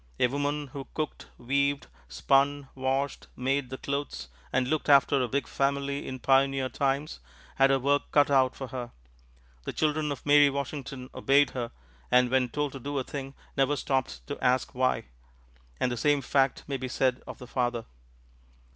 A woman who cooked, weaved, spun, washed, made the clothes, and looked after a big family in pioneer times had her work cut out for her. The children of Mary Washington obeyed her, and when told to do a thing never stopped to ask why and the same fact may be said of the father.